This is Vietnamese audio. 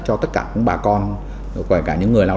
cho tất cả bà con